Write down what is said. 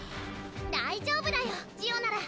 大丈夫だよジオなら。